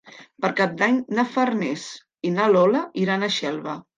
Per Cap d'Any na Farners i na Lola iran a Xelva.